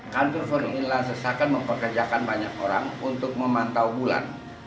kantor for inlansesakan mempekerjakan banyak orang untuk memantau bulan